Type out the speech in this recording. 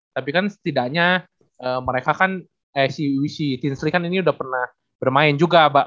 tapi kan setidaknya mereka kan eh si tinsley kan ini udah pernah bermain juga